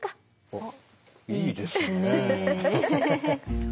あっいいですね。